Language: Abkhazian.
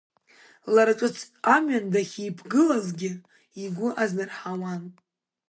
Лара ҿыц амҩан дахьиԥгылазгьы игәы азнарҳауан.